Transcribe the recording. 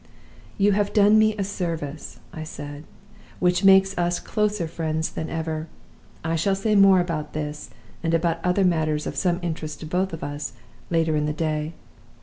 "'You have done me a service,' I said, 'which makes us closer friends than ever. I shall say more about this, and about other matters of some interest to both of us, later in the day.